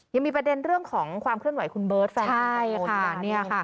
ยังมีประเด็นเรื่องของความเคลื่อนไหวคุณเบิร์ตแฟนใช่ค่ะ